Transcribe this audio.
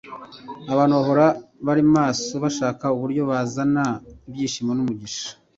abantu bahora bari maso bashaka uburyo bazana ibyishimo n'umugisha